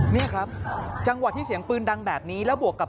นี่ครับจังหวะที่เสียงปืนดังแบบนี้แล้วบวกกับ